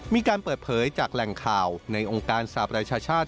มีการเปิดเผยจากแหล่งข่าวในองค์การสาปราชาชาติ